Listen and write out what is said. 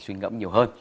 xuyên ngẫm nhiều hơn